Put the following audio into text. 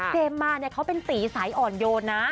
เจมมาเขาเป็นตีสายอ่อนโยนนะ